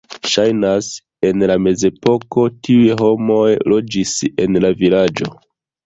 Ŝajnas, en la mezepoko tiuj homoj loĝis en la vilaĝo.